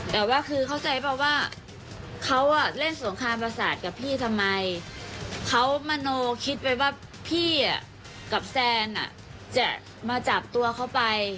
แต่ว่าคือเข้าใจเปล่าว่าเขาเล่นสงครามประสาทกับพี่ทำไมเขามโนคิดไปว่าพี่กับแซนจะมาจับตัวเขาไป